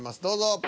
どうぞ。